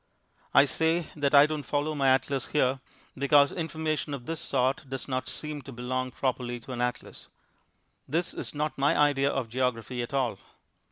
I say that I don't follow my atlas here, because information of this sort does not seem to belong properly to an atlas. This is not my idea of geography at all.